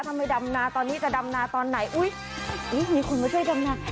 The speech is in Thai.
ถ้าไม่ดำนาตอนนี้จะดำนาตอนไหนอุ้ยมีคนมาช่วยดำนา